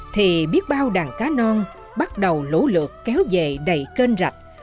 thì biết bao đàn cá non bắt đầu lũ lược kéo về đầy kênh rạch